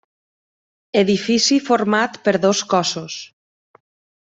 Edifici format per dos cossos.